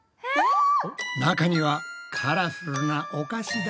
中にはカラフルなお菓子だ。